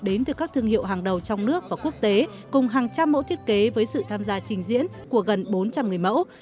đến từ các thương hiệu hàng đầu trong nước và quốc tế cùng hàng trăm mẫu thiết kế với sự tham gia trình diễn của gần bốn trăm linh người mẫu